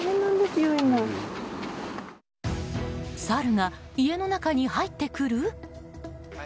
サルが家の中に入ってくる？